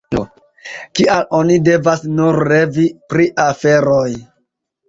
Kial oni devas nur revi pri aferoj?